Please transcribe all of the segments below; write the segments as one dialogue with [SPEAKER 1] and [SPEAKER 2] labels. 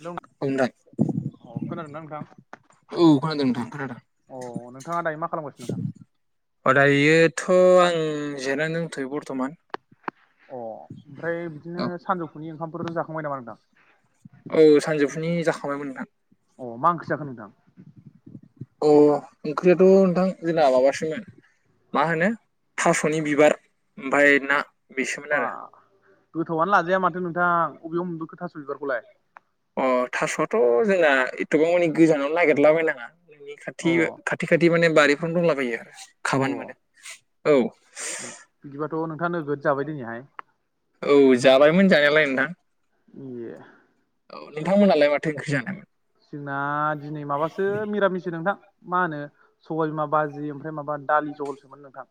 [SPEAKER 1] हेल'
[SPEAKER 2] ओमफ्राय
[SPEAKER 1] अ खोनादों ना नोंथां?
[SPEAKER 2] औ खोनादों नोंथां खोनादों।
[SPEAKER 1] अ नोंथाङा दायो मा खालामगासिनो नोंथां
[SPEAKER 2] अ दायोथ' आं जिरायना दंथ'यो बर्थ'मान।
[SPEAKER 1] अ ओमफ्राय बिदिनो सानजौफुनि ओंखामफोर जाखांबाय नामा नोंथां?
[SPEAKER 2] औ सानजौफुनि जाखांबायमोन नोंथां।
[SPEAKER 1] अ मा ओंख्रि जाखो नोंथां?
[SPEAKER 2] अ ओंख्रियाथ' नोंथां जोंना माबासोमोन मा होनो? थास'नि बिबार ओमफ्राय ना। बेसोमोन
[SPEAKER 1] बा
[SPEAKER 2] आरो
[SPEAKER 1] गोथावआनो लाजाया माथो नोंथां अबेयाव मोनबोखो थास' बिबारखौलाय?
[SPEAKER 2] अ थास'आथ जोंना एथबां मानि गोजानाव नागिरला बायनाङा नोंनि
[SPEAKER 1] अ
[SPEAKER 2] खाथि खाथि खाथि माने बारिफोरावनो दंलाबायो।
[SPEAKER 1] अ
[SPEAKER 2] खाबानो मोनो औ।
[SPEAKER 1] बिदिबाथ' नोंथाङा नोगोद जाबाय दिनैहाय।
[SPEAKER 2] औ जाबायमोन जानायालाय नोंथां।
[SPEAKER 1] ए।
[SPEAKER 2] औ नोंथांमोनहालाय माथो ओंख्रि जानायमोन?
[SPEAKER 1] जोंना दिनै माबासो मिरामिस नोंथां मा होनो सबाय बिमा बाजि ओमफ्राय माबा दालि जहलसोमोन नोंथां।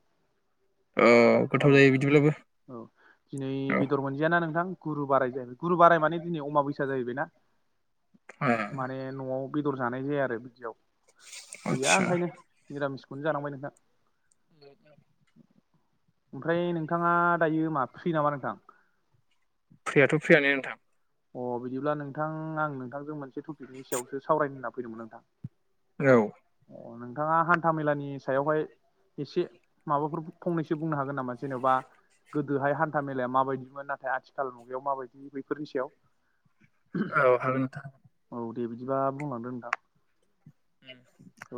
[SPEAKER 2] ओ
[SPEAKER 1] औ
[SPEAKER 2] गोथाव जायो बिदिब्लाबो।
[SPEAKER 1] औ दिनै
[SPEAKER 2] औ
[SPEAKER 1] बेदर मोनजायाना नोंथां गुरु बाराय जाहैबाय गुरु बाराय माने दिनै अमाबैसा जाहैबायना।
[SPEAKER 2] ए
[SPEAKER 1] माने न'आव बेदर जानाय जाया आरो बिदियाव गैया
[SPEAKER 2] आदसा
[SPEAKER 1] ओंखायनो। निरामिसखौनो जानांबाय नोंथां।
[SPEAKER 2] [inaudible]
[SPEAKER 1] ओमफ्राय नोंथाङा दायो मा फ्रि नामा नोंथां?
[SPEAKER 2] फ्रियाथ' फ्रियानो नोंथां।
[SPEAKER 1] अ बिदिब्ला नोंथां आं नोंथांजों मोनसे टपिकनि सायावसो सावरायनो होनना फैदोंमोन नोंथां।
[SPEAKER 2] औ।
[SPEAKER 1] अ नोंथाङा हान्था मेलानि सायावहाय एसे माबाफोर फंनैसो बुंनो हागोन नामा जेन'बा गोदोहाय हान्था मेलाया माबायदिमोन नाथाय आथिखाल मुगायाव माबायदि बेैफोरनि सायाव।
[SPEAKER 2] औ हागोन नोंथां।
[SPEAKER 1] औ दे बिदिबा बुंलांदो नोंथां।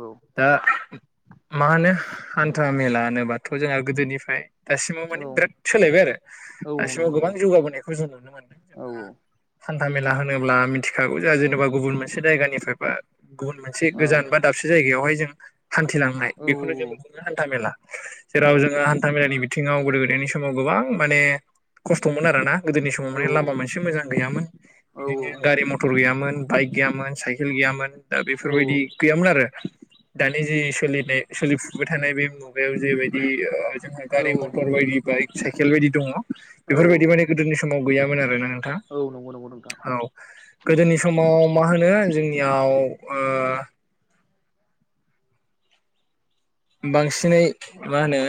[SPEAKER 1] औ
[SPEAKER 2] दा मा होनो हान्था मेला होनोब्लाथ' जोंहा गोदोनिफ्राय दासिमाव
[SPEAKER 1] औ
[SPEAKER 2] माने बिराद सोलायबाय आरो
[SPEAKER 1] औ औ
[SPEAKER 2] दासिमाव
[SPEAKER 1] नंगौ नंगौ
[SPEAKER 2] गोबां जौगाबोनायखौ जों नुनो मोनदों
[SPEAKER 1] औ
[SPEAKER 2] जोंहा हान्था मेला होनोब्ला मिथिखागौ जोंहा जेनेबा गुबुन मोनसे जायगानिफ्रायबा मोनसे
[SPEAKER 1] औ
[SPEAKER 2] गोजान बा दाबसे जायगायावहाय जों हान्थिलांनाय
[SPEAKER 1] औ
[SPEAKER 2] बेखौनो जों बुङो हान्था मेला
[SPEAKER 1] औ
[SPEAKER 2] जेराव जोङो हान्था मेलानि बिथिङाव गोदो गोदायनि समाव गोबां माने खस्थमोन आरोना गोदोनि समाव माने लामा
[SPEAKER 1] औ
[SPEAKER 2] मोनसे मोनसे मोजां गैयामोन बिदिनो
[SPEAKER 1] औ
[SPEAKER 2] गारि मथर गैयामोन बाइक गैयामोन साइकेल गैयामोन दा
[SPEAKER 1] औ औ
[SPEAKER 2] बेफोरबायदि गैयामोन आरो दानि जि सोलिनाय सोलिफुबाय थानाय बे मुगायाव जेबायदि ओ जोंहा
[SPEAKER 1] औ औ
[SPEAKER 2] गारि मथर बायदि बाइक साइकेल बायदि दङ
[SPEAKER 1] औ
[SPEAKER 2] बेफोरबायदि माने गोदोनि समाव गैयामोन आरोना नोंथां
[SPEAKER 1] औ नंगौ नंगौ नोंथां
[SPEAKER 2] औ गोदोनि समाव मा होनो जोंनियाव ओ बांसिनै मा होनो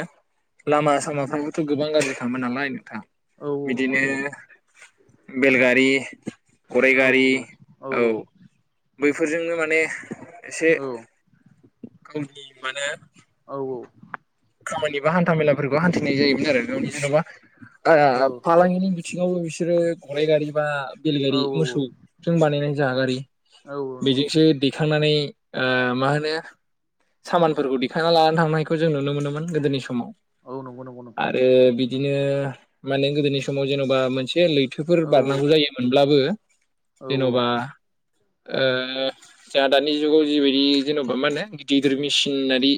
[SPEAKER 2] लामा सामाफ्राबोथ' गोबां गाज्रिखामोन नालाय नोंथां
[SPEAKER 1] औ नंगौ
[SPEAKER 2] बिदिनो
[SPEAKER 1] नंगौ
[SPEAKER 2] बेलगारि गराय
[SPEAKER 1] औ
[SPEAKER 2] गारि औ बैफोरजोंनो माने एसे
[SPEAKER 1] औ
[SPEAKER 2] गावनि माने
[SPEAKER 1] औ औ
[SPEAKER 2] खामानि बा हान्था मेलाफोरखौ हान्थिनाय जायोमोन आरो गावनि जेनबा ओ फालांगिनि थिङावबो बिसोरो गराइ गारि बा
[SPEAKER 1] औ
[SPEAKER 2] बेलगारि मोसौजों बानायनाय जा गारि
[SPEAKER 1] औ नंगौ
[SPEAKER 2] बेजोंसो
[SPEAKER 1] नंगौ
[SPEAKER 2] दैखांनानै ओ मा होनो सामानफोरखौ दिखांना लानानै थांनायखौ जों नुनो मोनोमोन गोदोनि समाव
[SPEAKER 1] औ नंगौ नंगौ नोंथां
[SPEAKER 2] आरो बिदिनो माने गोदोनि समाव जेनबा मोनसे जे लैथोफोर
[SPEAKER 1] औ
[SPEAKER 2] बारनांगौ जायोमोनब्लाबो
[SPEAKER 1] औ
[SPEAKER 2] जेनबा ओ जोंहा दानि जुगाव जिबायदि जेनबा मा होनो गिदिर गिदिर मेसिनारि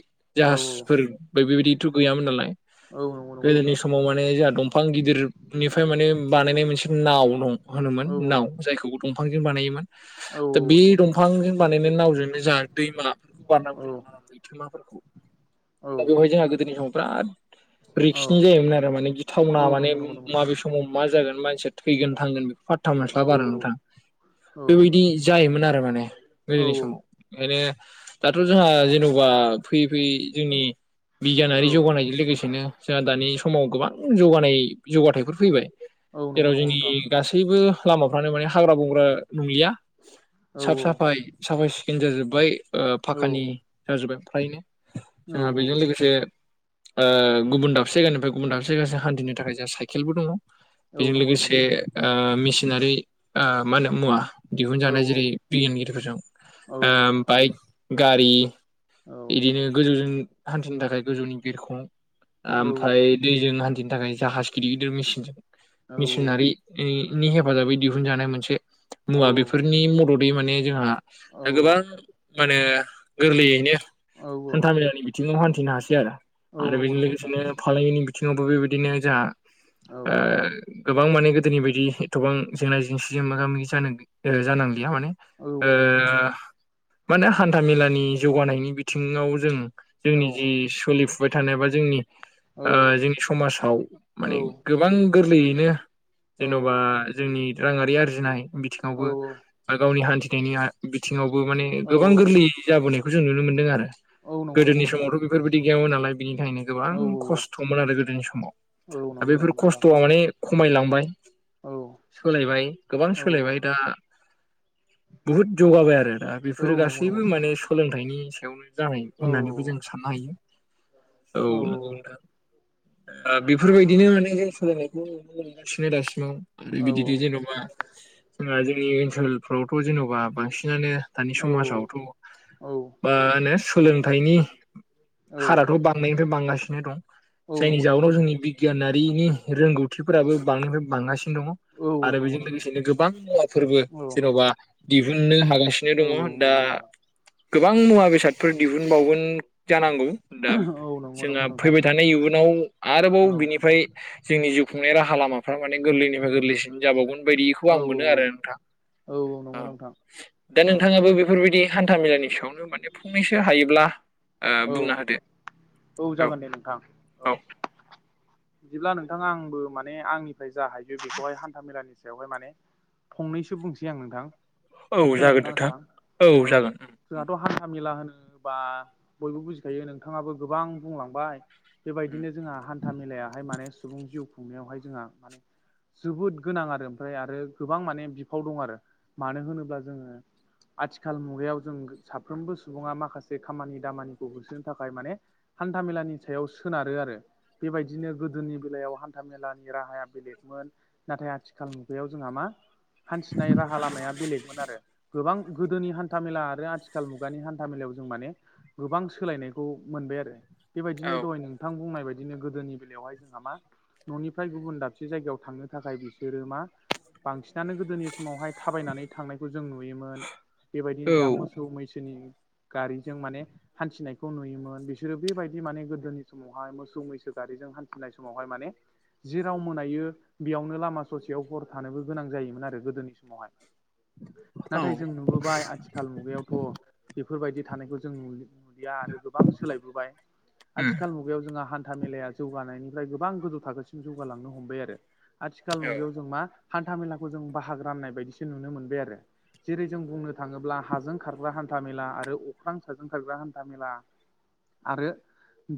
[SPEAKER 1] औ
[SPEAKER 2] जाहाजफोर बेबायदिथ' गैयामोन नालाय
[SPEAKER 1] औ नं
[SPEAKER 2] गोदोनि समाव माने जोंहा दंफां गिदिर बेनिफ्राय माने बानायनाय मोनसे नाव दं
[SPEAKER 1] औ
[SPEAKER 2] होनोमोन नाव जायखौ दंफांजों बानायोमोन
[SPEAKER 1] औ औ
[SPEAKER 2] दा बे
[SPEAKER 1] नंगौ औ नंगौ नंगौ नोंथां
[SPEAKER 2] दंफांजों बानायनाय नावजोंनो जा दैमा बेखौ
[SPEAKER 1] औ नंगौ नंगौ नोंथां औ नंगौ नोंथां औ नंगौ औ
[SPEAKER 2] [inaudible] लैथोमाफोरखौ दा बेवहाय जोंहा गोदोनि समाव बिराद रिक्सनि जायोमोन आरो माने गि थावना माने माबे समाव मा जागोन मानसिया थैगोन बेखौ फा था मोनस्लाबा आरो नोंथां बेबायदि जायोमोन आरो माने गोदोनि समाव ओंखायनो दाथ' जोंहा जेनबा फैयै फैयै जोंनि बिगियानारि जौगानायजों लोगोसेनो जोंहा दानि समाव गोबां जौगानाय जौगाथाइफोर फैबाय जेराव जोंनि गासैबो लामाफोरा माने हाग्रा बंग्रा नंलिया साफ साफाय साफाय सिखोन जाजोब्बाय ओ‌ फाखानि जाजोब्बाय फ्रायनो जोंहा बेजों लोगोसे ओ गुबुन दाबसे जायगानिफ्राय गुबुन दाबसे जायगासिम हान्थिनो थाखाय जोंहा साइकेलबो दङ बेजों लोगोसे ओ‌ मेचिनारि ओ‌ मा होनो मुवा दिहुनजानाय जेरै [unintelligible] मिरुजों ओ‌ बाइक गारि
[SPEAKER 1] औ
[SPEAKER 2] इदिनो गोजौजों हान्थिनो थाखाय गोजौनि बिरखं ओमफ्राय दैजों हान्थिनो थाखाय जाहाज गिदिर गिदिर मेसिनजों मिसिनारि नि हेफाजाबै दिहुनजानाय मोनसे
[SPEAKER 1] औ
[SPEAKER 2] मुवा बे
[SPEAKER 1] औ
[SPEAKER 2] फोरनि मददै माने जोंहा
[SPEAKER 1] औ
[SPEAKER 2] गोबां मा होनो गोरलैयैनो
[SPEAKER 1] औ औ
[SPEAKER 2] हान्था मेलानि बिथिङाव हान्थिनो हासै आरो
[SPEAKER 1] औ
[SPEAKER 2] आरो
[SPEAKER 1] नंगौ
[SPEAKER 2] बेजों
[SPEAKER 1] नंगौ नोंथां
[SPEAKER 2] लोगोसेनो फालांगिनि बिथिङावबो बेबायदिनो जोंहा
[SPEAKER 1] औ
[SPEAKER 2] ओ गोबां माने गोदोनि बायदि एथबां जेंना जेंसिजों मोगा मोगि जानो जानांलिया माने
[SPEAKER 1] औ औ नंगौ नंगौ
[SPEAKER 2] माहोनो हान्था मेलानि जौगानायनि बिथिङाव जों
[SPEAKER 1] औ
[SPEAKER 2] जोंनि जि सोलिफु बायथानाय बा जोंनि
[SPEAKER 1] औ
[SPEAKER 2] ओ जोंनि समाजाव
[SPEAKER 1] औ
[SPEAKER 2] माने गोबां गोरलैयैनो
[SPEAKER 1] औ
[SPEAKER 2] जेन'बा जोंनि राङारि आरजिनाय
[SPEAKER 1] औ
[SPEAKER 2] बिथिङावबो गावनि हान्थिनायनि बिथिङावबो माने
[SPEAKER 1] औ
[SPEAKER 2] गोबां गोरलैयै जाबोनायखौ जों नुनो मोन्दों आरो
[SPEAKER 1] औ नंगौ नंगौ
[SPEAKER 2] गोदोनि
[SPEAKER 1] नोंथां
[SPEAKER 2] समावथ' बेफोरबायदि गैयामोन नालाय बिनिखायनो गोबां
[SPEAKER 1] औ औ
[SPEAKER 2] खस्थ'मोन आरो गोदोनि समाव
[SPEAKER 1] औ औ
[SPEAKER 2] दा
[SPEAKER 1] नंगौ
[SPEAKER 2] बेफोर
[SPEAKER 1] नंगौ नोंथां
[SPEAKER 2] खस्थ'आ माने खमायलांबाय
[SPEAKER 1] औ
[SPEAKER 2] सोलायबाय गोबां
[SPEAKER 1] औ
[SPEAKER 2] सोलायबाय दा बुहुद जौगाबाय आरो दा
[SPEAKER 1] औ
[SPEAKER 2] बेफोरो
[SPEAKER 1] नंगौ नंगौ
[SPEAKER 2] गासैबो
[SPEAKER 1] नोंथां
[SPEAKER 2] माने सोलोंथाइनि सायावनो जानाय
[SPEAKER 1] औ
[SPEAKER 2] होननानैबो जों साननो हायो औ नंगौ नोंथां ओ बेफोरबायदिनो माने जों सोलायनायखौ नुनो मोनगासिनो दासिमाव आरो
[SPEAKER 1] औ
[SPEAKER 2] बिदिनो जेन'बा जोंहा जोंनि ओनसोलफ्रावथ' जेन'बा बांसिनानो दानि समाजावथ' मा होनो सोलोंथाइनि हाराथ' बां नायनिफ्राय बांगासिनो दं
[SPEAKER 1] औ
[SPEAKER 2] जायनि
[SPEAKER 1] नंगौ नंगौ
[SPEAKER 2] जउनाव
[SPEAKER 1] नोंथां
[SPEAKER 2] जोंनि बि गियानारिनि रोंगौथिफोराबो बांनिफ्राय बांगासिनो दङ।
[SPEAKER 1] औ
[SPEAKER 2] आरो
[SPEAKER 1] नंगौ
[SPEAKER 2] बेजों
[SPEAKER 1] नोंथां
[SPEAKER 2] लोगोसेनो गोबां मुवा फोरबो
[SPEAKER 1] औ
[SPEAKER 2] जेन'बा दिहुननो हागासिनो
[SPEAKER 1] औ
[SPEAKER 2] दङ दा
[SPEAKER 1] नंगौ नोंथां
[SPEAKER 2] गोबां मुवा बेसाद फोर दिहुनबावगोन जानांगौ दा
[SPEAKER 1] औ नंगौ
[SPEAKER 2] जोंहा
[SPEAKER 1] नंगौ नोंथां
[SPEAKER 2] फैबाय
[SPEAKER 1] औ
[SPEAKER 2] थानाय इयुनाव आरोबाव
[SPEAKER 1] औ
[SPEAKER 2] बिनिफ्राय जोंनि जिउ खुंनाय राहा लामाफ्रा माने गोरलैनो गोरलैसिन जाबावगोन बायदिखौ आं मोनो
[SPEAKER 1] औ
[SPEAKER 2] आरो
[SPEAKER 1] औ
[SPEAKER 2] नोंथां औ
[SPEAKER 1] नंगौ नोंथां
[SPEAKER 2] दा
[SPEAKER 1] औ
[SPEAKER 2] नोंथाङाबो बेफोरबायदि हान्था मेलानि सायावनो माने फंनैसो हायोब्ला ओ
[SPEAKER 1] औ
[SPEAKER 2] बुंना होदो
[SPEAKER 1] औ जागोन दे नोंथां औ बिदिब्ला नोंथाङा आंबो माने आंनिफ्राय जा हायो बेखौहाय हान्था मेलानि सायावहाय माने फंनैसो बुंनोसै आं नोंथां
[SPEAKER 2] औ जागोन
[SPEAKER 1] खोनादोंदा नोंथां औ जोंहाथ' हान्था मेला होनोबा बयबो बुजिखायो नोंथाङाबो गोबां बुंलांबाय बेबायदिनो जोंहा हान्था मेलायाहाय माने सुबुं जिउ खुंनायावहाय जोंहा माने जोबोद गोनां आरो ओमफ्राय आरो गोबां माने बिफाव दं आरो मानो होनोब्ला जोङो। आथिखाल मुगायाव जों साफ्रोमबो सुबुङा माखासे खामानि दामानिखौ होसोनो थाखाय माने हान्था मेलानि सायाव सोनारो आरो बेबायदिनो गोदोनि बेलायाव हान्था मेलानि राहाया बेलेगमोन नाथाय आथिखाल मुगायाव जोंहा मा हान्थिनाय राहा लामाया बेलेगमोन आरो गोबां गोदोनि हान्था मेला आरो आथिखाल मुगानि हान्था मेलायाव जों माने गोबां सोलायनायखौ मोनबाय आरो बेबायदिनो
[SPEAKER 2] औ
[SPEAKER 1] दहय नोंथां बुंनाय बायदिनो गोदोनि बेलायावहाय जोंहा मा न'निफ्राय गुबुन दाबसे जायगायाव थांनो थाखाय बिसोरो मा बांसिनानो गोदोनि समावहाय थाबायनानै थांनायखौ जों नुयोमोन बेबायदिनो
[SPEAKER 2] औ
[SPEAKER 1] जा मोसौ मोसौ मैसोनि गारिजों माने हान्थिनायखौ नुयोमोन बिसोर बिसोरो बे बायदि माने गोदोनि समावहाय मोसौ मैसो गारिजों हान्थिनाय समावहाय माने जेराव मोनायो बेयावनो लामा ससेयाव हर थानोबो गोनां जायोमोन आरो गोदोनि समावहाय नाथाय
[SPEAKER 2] औ
[SPEAKER 1] जों नुबोबाय आथि खाल मुगायावथ' बेफोरबायदि थानायखौ जों नुलिया आरो गोबां सोलाय नुबाय
[SPEAKER 2] उम
[SPEAKER 1] आथिखाल बेयाव जोंहा हान्था मेलाया जौगानायनिफ्राय गोबां गोजौ थाखोसिम जौगालांनो हमबाय आरो आथिखाल मुगायाव
[SPEAKER 2] औ
[SPEAKER 1] जों मा हान्था मेलाखौ जों बाहागो राननाय बायदिसो नुनो मोनबाय आरो जेरै जों बुंनो थाङोब्ला हाजों खारग्रा हान्था मेला आरो अख्रां साजों खारग्रा हान्था मेला आरो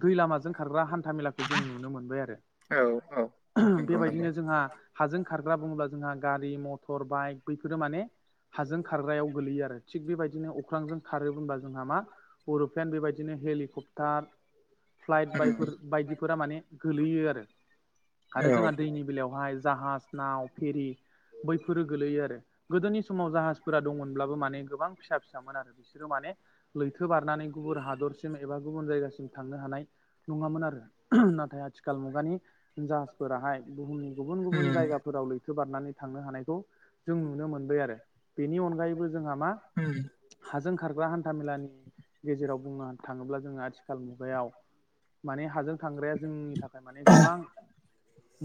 [SPEAKER 1] दै लामाजों खारग्रा हान्था मेलाखौ जों नुनो मोनबाय आरो
[SPEAKER 2] औ औ
[SPEAKER 1] [unintelligible]
[SPEAKER 2] नंगौ
[SPEAKER 1] बेबायदिनो
[SPEAKER 2] नंगौ
[SPEAKER 1] जोंहा हाजों खारग्रा बुङोब्ला जोंहा गारि मटर बाइक बैफोरो माने हाजों खारग्रायाव गोग्लैयो आरो थिग बेबायदिनो अख्रांजों खारो होनबब्ला जोंहा मा अरुप्लेन बेबायदिनो हेलिकप्ट दा फ्लाइट
[SPEAKER 2] उम
[SPEAKER 1] बायफोर बायदिफोरा माने गोलैयो आरो आरो
[SPEAKER 2] औ
[SPEAKER 1] जोंहा दैनि बेलायावहाय जाहाज नाव फेरि बैफोरो गोलैयो आरो गोदोनि समाव जाहाजफोरा दंमोनब्लाबो माने गोबां फिसा फिसामोन आरो बिसोरो माने लैथो बारनानै गुबुन हादरसिम एबा गुबुन जायगासिम थांनो हानाय नङामोन आरो नाथाय आथिखाल मुगानि जा फोराहाय बुहुमनि गुबुन गुबुन
[SPEAKER 2] उम
[SPEAKER 1] जायगाफोराव लैथो बारनानै थांनो हानायखौ जों नुनो मोनबाय आरो बेनि अनगायैबो जोंहा मा हाजों खारग्रा हान्था मेलानि गेजेराव बुंनो थाङोब्ला जोङो आथिखाल मुगायाव माने हाजों थांग्राया जोंनि थाखाय माने गोबां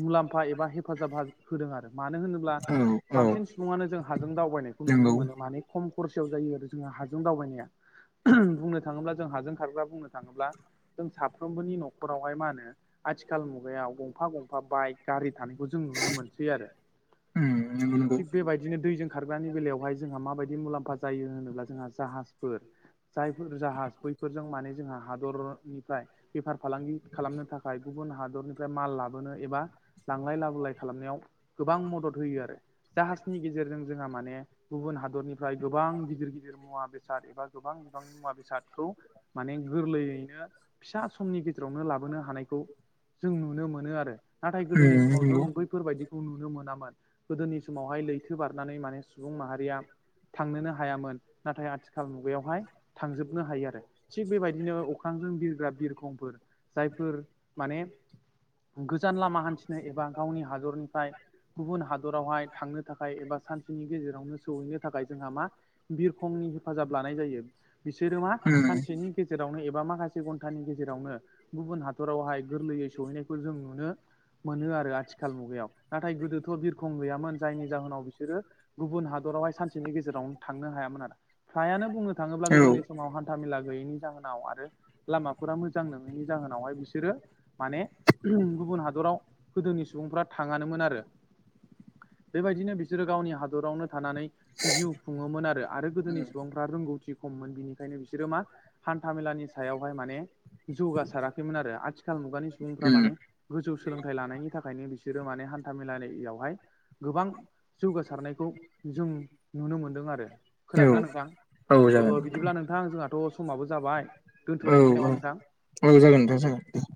[SPEAKER 1] मुलाम्फा एबा हेफाजाब होदों आरो मानो होनोब्ला
[SPEAKER 2] उम औ
[SPEAKER 1] बांसिन सुबुङानो जों हाजों दावबायनायखौ नुनो
[SPEAKER 2] नंगौ
[SPEAKER 1] मोनो माने खम खरसयाव जायो आरो जोंहा हाजों दावबायनाया बुंनो थाङोब्ला जों हाजों खारग्रा बुंनो थाङोब्ला जों साफ्रोमबोनि नखरावहाय मा होनो आथिखाल मुगायाव गंफा गंफा बाइक गारि थानायखौ जों जों नुनो मोनसै
[SPEAKER 2] उम नंगौ नंगौ
[SPEAKER 1] आरो बेबायदिनो दैजों खारग्रानि बेलायावहाय जोंहा माबायदि मुलाम्फा जायो होनोब्ला जोंहा जाहाजफोर जायफोर जाहाज बैफोरजों माने जोंहा हादरनिफ्राय बेफार फालांगि खालामनो थाखाय गुबुन हादरनिफ्राय माल लाबोनो एबा लांलाय लाबोलाय खालामनायाव गोबां मदद होयो आरो जाहाजनि गेजेरजों जोंहा माने गुबुन हादरनि फ्राय गोबां गिदिर गिदिर मुवा बेसाद एबा गोबां बिबांनि मुवा बेसादखौ माने गोरलैयैनो फिसा समनि गेजेरावनो लाबोनो हानायखौ जों नुनो मोनो आरो नाथाय गोदोनि
[SPEAKER 2] उम
[SPEAKER 1] समाव जों
[SPEAKER 2] नंगौ
[SPEAKER 1] बै फोरबायदिखौ नुनो मोनामोन गोदोनि समावहाय लैथो बारनानै माने सुबुं माहारिया थांनोनो हायामोन नाथाय आथिखाल मुगायावहाय थांजोबनो हायो आरो। थिग बेबायदिनो अख्रांजों बिरग्रा बिरखंफोर जायफोर माने गोजान लामा हान्थिनो एबा गावनि हादरनिफ्राय गुबुन हादरावहाय थांनो थाखाय एबा सानसेनि गेजेरावनो सौहैनो थाखाय जोंहा मा बिरखंनि हेफाजाब लानाय जायो बिसोरो मा
[SPEAKER 2] उम
[SPEAKER 1] बिनि गेजेरावनो एबा माखासे घन्टानि गेजेरावनो गुबुन हाद हादरावहाय गोरलैयै सहैनायखौ जों नुनो मोनो आरो आथिखाल मुगायाव नाथाय गोदोथ' बिरखं गैयामोन जायनि जाहोनाव बिसोरो गुबुन हादरावहाय सानसेनि गेजेरावनो थांनो हायामोन आरो फ्रायानो बुंनो थाङोब्ला
[SPEAKER 2] औ
[SPEAKER 1] गोदोनि समाव हान था मेला गैयैनि जाहोनाव आरो लामाफोरा मोजां नोङैनि जाहोनावहाय बिसोरो माने गुबुन हादराव गोदोनि सुबुंफ्रा थांङानोमोन आरो। बेबायदिनो बिसोरो गावनि हा दरावनो थानानै जिउ खुङोमोन आरो आरो गोदोनि सुबुंफ्रा रोंगौथि खममोन बिनिखायनो बि बिसोरो मा हान्था मेलानि सायावहाय माने जौगासाराखैमोन आरो आथिखाल मुगानि सुबुंफ्रा
[SPEAKER 2] उम
[SPEAKER 1] माने गोजौ सोलोंथाइ लानायनि थाखायनो बिसोरो माने हान्था मेलायावहाय गोबां जौगासारनायखौ जों नुनो मोनदों आरो। खोनादोंना
[SPEAKER 2] औ
[SPEAKER 1] नोंथां?
[SPEAKER 2] औ
[SPEAKER 1] ओ
[SPEAKER 2] जागोन
[SPEAKER 1] बिदिब्ला नोंथां जोंहा थ' समाबो जाबाय
[SPEAKER 2] औ
[SPEAKER 1] दोनथ'लायनोसै नामा
[SPEAKER 2] औ जागोन
[SPEAKER 1] नोंथां?
[SPEAKER 2] [inaudible]